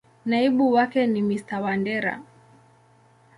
Naibu wake ni Mr.Wandera.